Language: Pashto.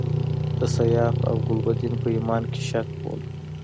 د سیاف او ګلبدین په ایمان کې شک بولم.